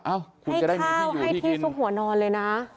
ให้ข้าวให้ที่สุขหัวนอนเลยนะ